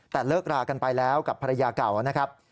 แต่เลิกรากันไปแล้วกับภรรยาเก่านะครับ